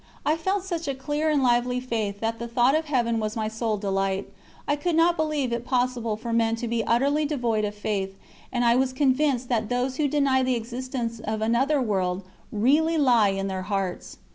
I felt such a clear and lively Faith that the thought of Heaven was my sole delight. I could not believe it possible for men to be utterly devoid of Faith, and I was convinced that those who deny the existence of another world really lie in their hearts.